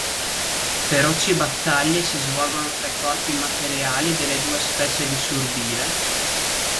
Feroci battaglie si svolgono tra i corpi immateriali delle due specie di 'surbile'.